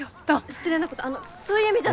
失礼なことあのそういう意味じゃ。